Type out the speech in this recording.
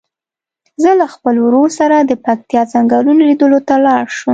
زه له خپل ورور سره د پکتیا څنګلونو لیدلو ته لاړ شم.